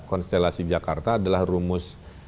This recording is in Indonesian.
konstelasi jakarta adalah rumus